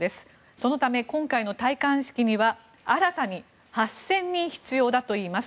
そのため今回の戴冠式には新たに８０００人必要だといいます。